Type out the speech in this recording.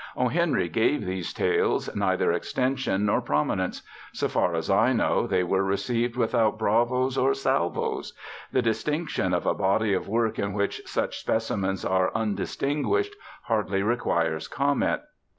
O. Henry gave these tales neither extension nor prominence; so far as I know, they were received without bravos or salvos. The distinction of a body of work in which such specimens are undistinguished hardly requires comment.